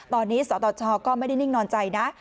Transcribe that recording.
ตอนนี้สตชก็ไม่ได้นิ่งนอนใจนะ